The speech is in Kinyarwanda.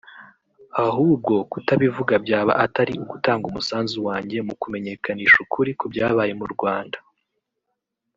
ahubwo kutabivuga byaba atari ugutanga umusanzu wanjye mu kumenyekanisha ukuri ku byabaye mu Rwanda